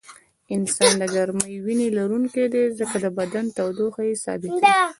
انسان د ګرمې وینې لرونکی دی ځکه د بدن تودوخه یې ثابته وي